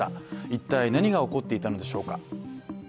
一体何が起こっていたのでしょうか。